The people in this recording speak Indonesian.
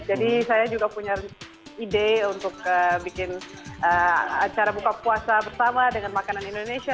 jadi saya juga punya ide untuk bikin acara buka puasa bersama dengan makanan indonesia